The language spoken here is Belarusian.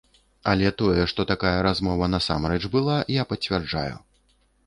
Але тое, што такая размова насамрэч была, я пацвярджаю.